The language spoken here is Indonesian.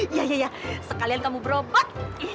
iya sekalian kamu berobat